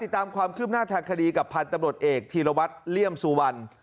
ตามความคืบหน้าทางคดีกับพันธุ์ตำรวจเอกธีรวัตรเลี่ยมสุวรรณ